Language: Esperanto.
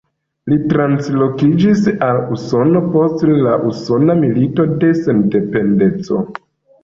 Li translokiĝis al Usono post la Usona Milito de Sendependeco.